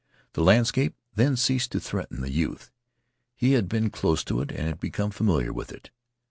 The landscape then ceased to threaten the youth. He had been close to it and become familiar with it.